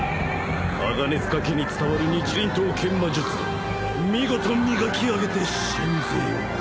鋼鐵塚家に伝わる日輪刀研磨術で見事磨き上げてしんぜよう。